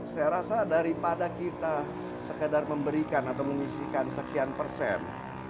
saya rasa daripada kita sekedar memberikan atau mengisikan sekian persen